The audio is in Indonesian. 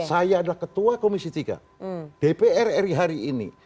saya adalah ketua komisi tiga dpr ri hari ini